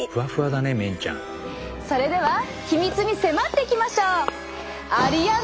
それでは秘密に迫っていきましょう！